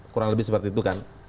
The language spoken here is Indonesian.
kurang lebih seperti itu kan